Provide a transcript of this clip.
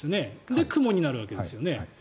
で、雲になるわけですよね。